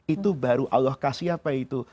itu baru allah kasih apa itu